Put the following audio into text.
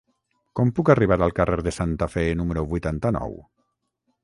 Com puc arribar al carrer de Santa Fe número vuitanta-nou?